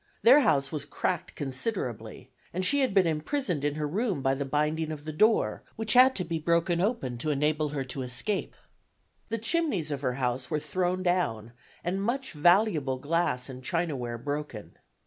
Their house was cracked considerably, and she had been imprisoned in her room by the binding of the door, which had to be broken open to enable her to escape. The chimneys of her house were thrown down and much valuable glass and chinaware broken.